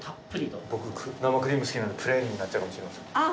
僕生クリーム好きなんでプレーンになっちゃうかもしれません。